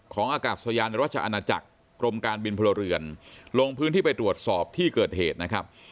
อากาศยานราชอาณาจักรกรมการบินพลเรือนลงพื้นที่ไปตรวจสอบที่เกิดเหตุนะครับ